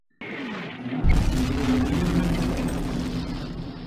Demà en Lluc i en Guim volen anar d'excursió.